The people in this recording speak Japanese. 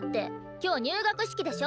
今日入学式でしょ。